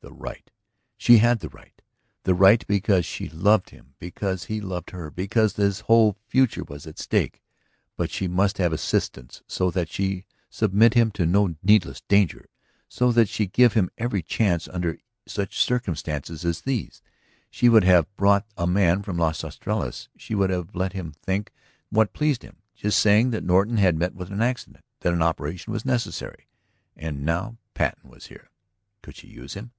The right? She had the right! The right because she loved him, because he loved her, because his whole future was at stake. But she must have assistance so that she submit him to no needless danger, so that she give him every chance under such circumstances as these. She would have brought a man from Las Estrellas, she would have let him think what pleased him, just saying that Norton had met with an accident, that an operation was necessary. And now Patten was here. Could she use him?